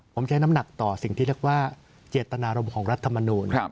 ผมใช้น้ำหนักต่อสิ่งที่เรียกว่าเจตนารมณ์ของรัฐมนูล